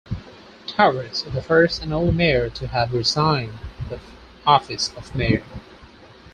Towers is the first and only mayor to have resigned the office of Mayor.